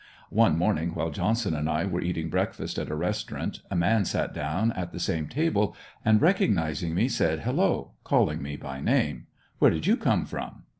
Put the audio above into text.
One morning while Johnson and I were eating breakfast at a restaurant a man sat down at the same table and, recognizing me, said: "Hello," calling me by name; "where did you come from?"